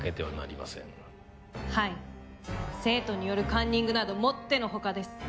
生徒によるカンニングなどもっての外です。